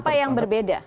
apa yang berbeda